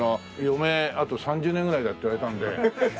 余命あと３０年ぐらいだって言われたんで。